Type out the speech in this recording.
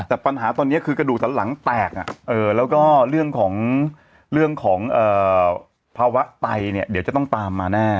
แต่ปัญหาตอนนี้คือกระดูกสันหลังแตกแล้วก็เรื่องของเรื่องของภาวะไตเนี่ยเดี๋ยวจะต้องตามมาแน่